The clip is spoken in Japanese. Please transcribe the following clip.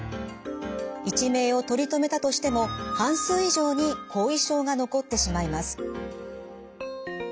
一命を取り留めたとしても半数以上に後遺症が残ってしまいます。